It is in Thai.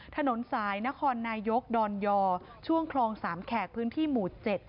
ถนนสายนครนายกดอนยอช่วงคลอง๓แขกพื้นที่หมู่๗